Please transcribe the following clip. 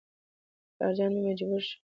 پلارجان مې مجبور شو چې ما په غېږ کې واخلي.